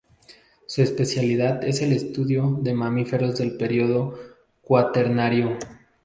Su especialidad es el estudio de mamíferos del Período cuaternario.